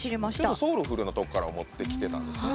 ソウルフルのとこから持ってきてたんですね。